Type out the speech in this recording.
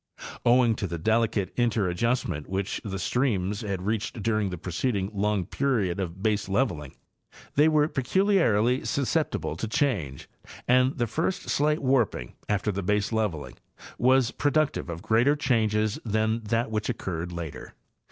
Owing to the delicate interadjustment which the streams had reached during the preceding long period of baseleveling, they were peculiarly susceptible to change, and the first slight warp _ing, after the baseleveling, was productive of greater changes than that which occurred later.